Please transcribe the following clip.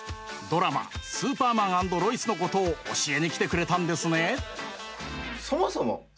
ドラマ「スーパーマン＆ロイス」のことを教えに来てくれたんですね。